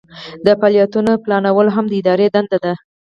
د فعالیتونو پلانول هم د ادارې دنده ده.